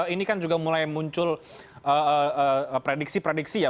ini kan juga mulai muncul prediksi prediksi ya